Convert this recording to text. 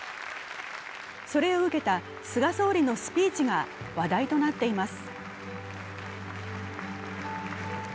それを受けた菅総理のスピーチが話題となっています。